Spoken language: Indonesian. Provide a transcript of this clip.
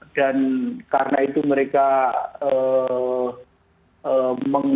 dan karena itu mereka mengenal